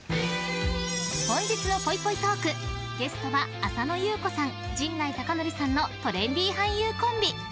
本日のぽいぽいトークゲストは浅野ゆう子さん、陣内孝則さんのトレンディー俳優コンビ。